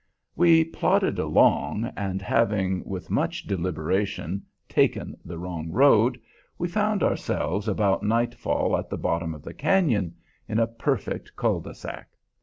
We plodded along, and having with much deliberation taken the wrong road, we found ourselves about nightfall at the bottom of the cañon, in a perfect cul de sac.